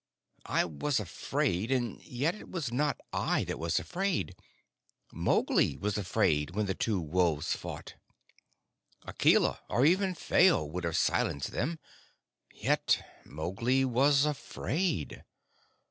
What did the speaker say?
I was afraid and yet it was not I that was afraid Mowgli was afraid when the two wolves fought. Akela, or even Phao, would have silenced them; yet Mowgli was afraid.